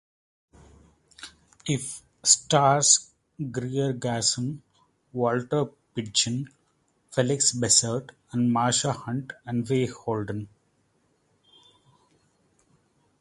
It stars Greer Garson, Walter Pidgeon, Felix Bressart, Marsha Hunt and Fay Holden.